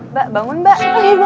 mbak bangun mbak